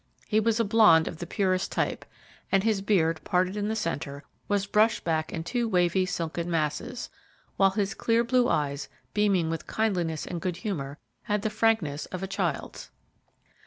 He was a blond of the purest type, and his beard, parted in the centre, was brushed back in two wavy, silken masses, while his clear blue eyes, beaming with kindliness and good humor, had the frankness of a child's.